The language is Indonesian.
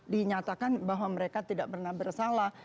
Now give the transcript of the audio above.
dinyatakan bahwa mereka tidak pernah bersalah